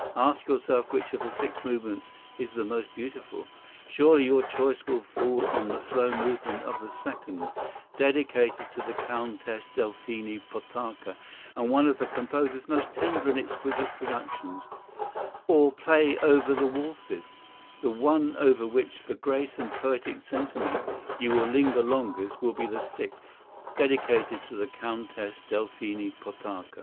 Ask yourself which of the six movements is the most beautiful. Surely your choice will fall on the slow movement of the second—dedicated to the Countess Delphine Potocka, and one of the composer's most tender and exquisite productions; or play over the waltzes—the one over which for grace and poetic sentiment you will linger longest will be the sixth, dedicated to the Countess Delphine Potocka.